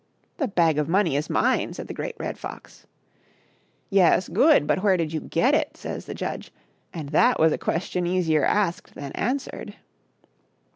" The bag of money is mine," said the Great Red Fox. "Yes, good! but where did you get it?" says the judge, and that was a question easier asked than answered.